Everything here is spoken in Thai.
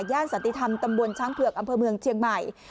สันติธรรมตำบลช้างเผือกอำเภอเมืองเชียงใหม่